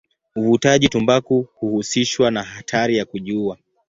Uvutaji tumbaku huhusishwa na hatari ya kujiua.